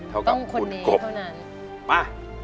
ต้องคนเน้นเท่านั้น